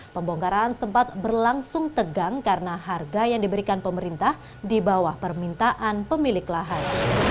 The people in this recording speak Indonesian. pembongkaran sempat berlangsung tegang karena harga yang diberikan pemerintah di bawah permintaan pemilik lahan